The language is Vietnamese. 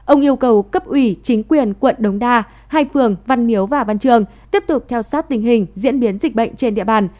ông yêu cầu cấp ủy chính quyền quận đống đa hai phường văn miếu và văn trường tiếp tục theo sát tình hình diễn biến dịch bệnh trên địa bàn